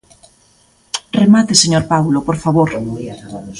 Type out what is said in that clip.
Remate, señor Paulo, por favor.